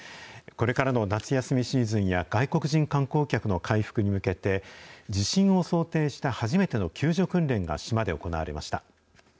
これからの夏休みシーズンや外国人観光客の回復に向けて、地震を想定した初めての救助訓練が島で行われました。